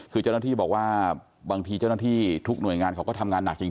คือเจ้าหน้าที่บอกว่าบางทีเจ้าหน้าที่ทุกหน่วยงานเขาก็ทำงานหนักจริง